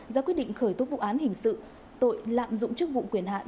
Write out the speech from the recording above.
ra quyết định khởi tố vụ án hình sự tội lạm dụng chức vụ quyền hạn